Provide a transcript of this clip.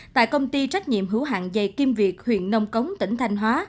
tại công ty trách nhiệm hữu hạng dày kim việt huyện nông cống tỉnh thanh hóa